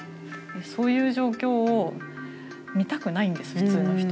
そういう状況を見たくないんです普通の人は。